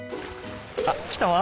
あっ来たわ。